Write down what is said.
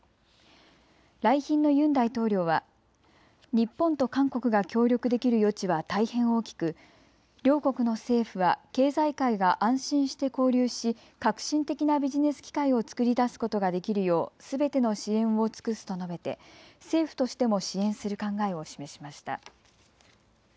来賓のユン大統領は日本と韓国が協力できる余地は大変大きく両国の政府は経済界が安心して交流し革新的なビジネス機会を作り出すことができるようすべての支援を尽くすと述べて政府としても支援する考えを示しました。